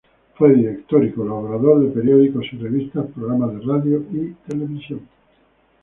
Fue director y colaborador de periódicos y revistas, programas de radio y televisión.